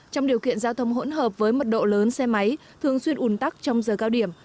trong điều kiện giao thông hỗn hợp với mật độ lớn xe máy thường xuyên ủn tắc trong giờ cao điểm